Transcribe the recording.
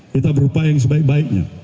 kita berupaya yang sebaik baiknya